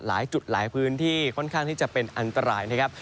หลายจุดหลายพื้นที่ค่อนข้างที่จะเป็นอันตรายนะครับ